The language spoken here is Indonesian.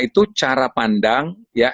itu cara pandang ya